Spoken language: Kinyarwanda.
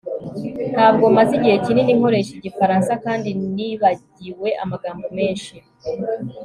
Ntabwo maze igihe kinini nkoresha igifaransa kandi nibagiwe amagambo menshi